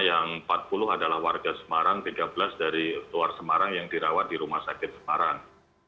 yang empat puluh adalah warga semarang tiga belas dari luar semarang yang dirawat di rumah sakit semarang